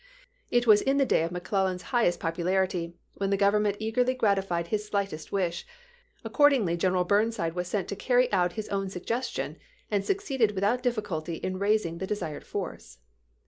It was in the day of McClel lan's highest popularity, when the Government eagerly gratified his slightest wish ; accordingly General Burnside was sent to carry out his own suggestion and succeeded without difficulty in rais ing the desired force.